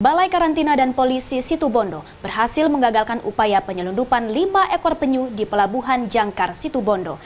balai karantina dan polisi situbondo berhasil mengagalkan upaya penyelundupan lima ekor penyu di pelabuhan jangkar situbondo